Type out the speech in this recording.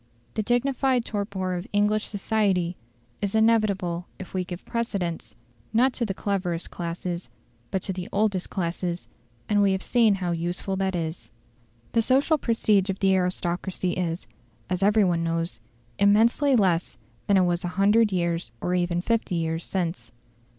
The dignified torpor of English society is inevitable if we give precedence, not to the cleverest classes, but to the oldest classes, and we have seen how useful that is. The social prestige of the aristocracy is, as every one knows, immensely less than it was a hundred years or even fifty years since.